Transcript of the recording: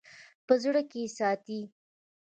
په زړه کښې ساتي--